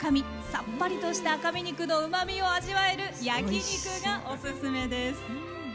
さっぱりとした赤身肉のうまみを味わえる焼き肉がオススメです。